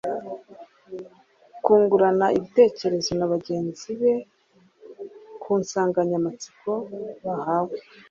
Kungurana ibitekerezo na bagenzi be ku nsanganyamatsiko bahawe